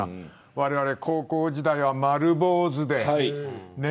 われわれ、高校時代は丸坊主で。